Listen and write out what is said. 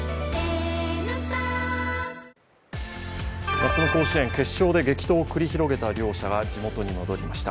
夏の甲子園、決勝で激闘を繰り広げた両者が地元に戻りました。